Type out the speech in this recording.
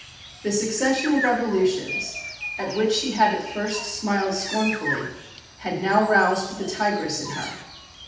The succession of revolutions, at which she had at first smiled scornfully, had now roused the tigress in her.